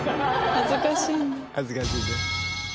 恥ずかしいね。